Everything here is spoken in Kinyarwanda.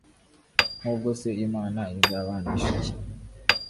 nk'ubwo se imana izabahanisha iki